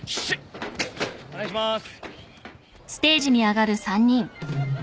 ・お願いします。